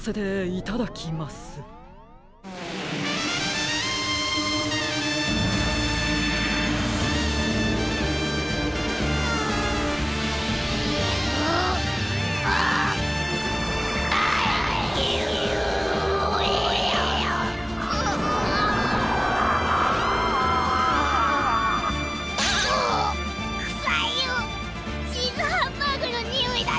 チーズハンバーグのにおいだったのに。